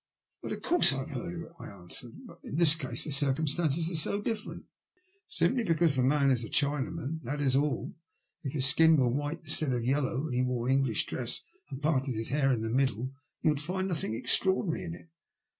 *' Of course I have heard of it/' I answered, bat in this case the circumstances are so different." Simply because the man is a Chinaman — that is all. If his skin were white instead of yellow, and he wore English dress and parted his hair in the middle, you would find nothing extraordinary in it.